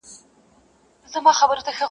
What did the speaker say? ورته سپک په نظر ټوله موږکان دي,